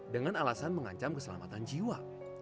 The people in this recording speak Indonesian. dengan alasan mengancam keselamatan jiwa